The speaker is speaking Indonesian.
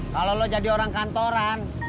kalau lo jadi orang kantoran